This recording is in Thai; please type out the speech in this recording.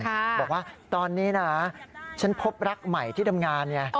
บอกว่าตอนนี้นะฉันพบรักใหม่ที่ทำงานไง